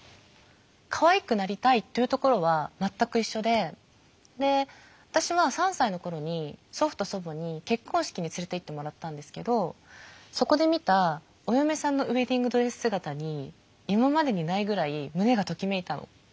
かわいくなりたいっていうところは全く一緒でで私は３歳の頃に祖父と祖母に結婚式に連れていってもらったんですけどそこで見たお嫁さんのウエディングドレス姿に今までにないぐらい胸がときめいたの。